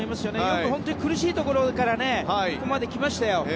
よく、本当に苦しいところからここまで来ましたよ。